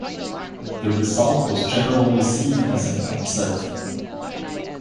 The result was generally seen as an upset.